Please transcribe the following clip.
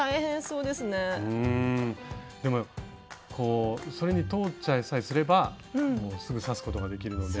うんでもそれに通っちゃいさえすればすぐ刺すことができるので。